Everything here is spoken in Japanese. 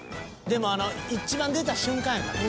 ［でもあの一番出た瞬間やからな］